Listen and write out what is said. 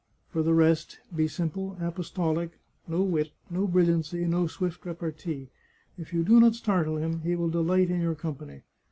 For the rest, be simple, apostolic — no wit, no brilliancy, no swift repartee. If you do not startle him he will delight in your company.